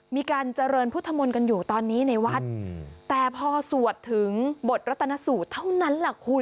มีการเจริญพุทธมนต์กันอยู่ตอนนี้ในวัดแต่พอสวดถึงบทรัตนสูตรเท่านั้นแหละคุณ